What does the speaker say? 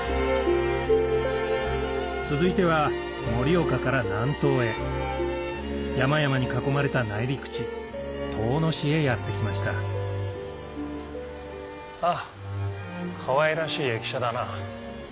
続いては盛岡から南東へ山々に囲まれた内陸地遠野市へやって来ましたあっかわいらしい駅舎だな。